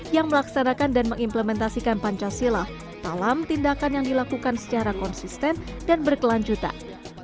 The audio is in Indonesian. yang melaksanakan dan mengimplementasikan pancasila dalam tindakan yang dilakukan secara konsisten dan berkelanjutan